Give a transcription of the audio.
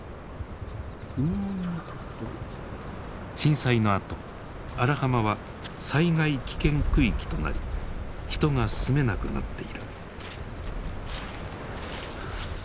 震災のあと荒浜は災害危険区域となり人が住めなくなっている。